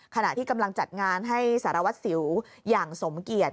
ขณะที่กำลังจัดงานให้สารวัตรสิวอย่างสมเกียจ